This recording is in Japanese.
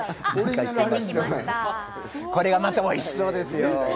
これがまた、おいしそうですよ。